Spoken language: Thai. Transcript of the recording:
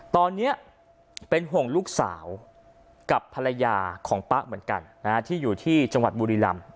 ตอนนี้เป็นห่วงลูกสาวกับภรรยาของป๊ะเหมือนกันที่อยู่ที่จังหวัดบุรีรำ